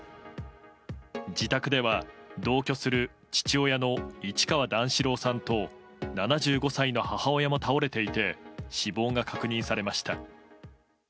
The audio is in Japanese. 自宅では同居する父親の市川段四郎さんと７５歳の母親も倒れていて死亡が確認されました。